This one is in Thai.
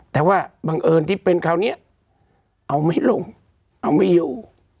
แต่ว่าบังเอิญที่เป็นคราวนี้เอาไม่ลงเอาไม่อยู่